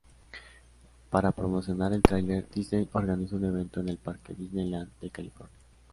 Para promocionar el tráiler, Disney organizó un evento en el parque Disneyland de California.